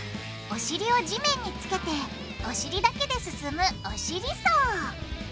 お尻を地面につけてお尻だけで進む「お尻走」！